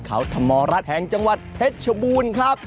เขาธมรรดิแห่งจังหวัดเฮชชะบูนครับ